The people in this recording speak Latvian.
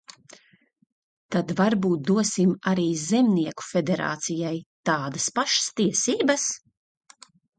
Tad varbūt dosim arī Zemnieku federācijai tādas pašas tiesības?